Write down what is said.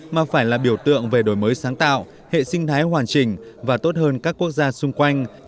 mà phải là biểu tượng về đổi mới sáng tạo hệ sinh thái hoàn chỉnh và tốt hơn các quốc gia xung quanh